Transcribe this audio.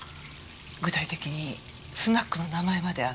具体的にスナックの名前まであげて。